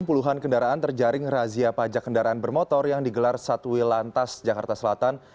puluhan kendaraan terjaring razia pajak kendaraan bermotor yang digelar satwil lantas jakarta selatan